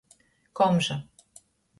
Komža.